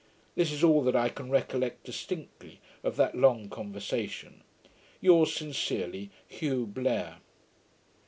This is all that I can recollect distinctly of that long conversation. Yours sincerely, HUGH BLAIR.